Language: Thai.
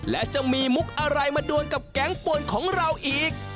และจะมีมุกอะไรมาดวนกับแก๊งป่วนของเราอีก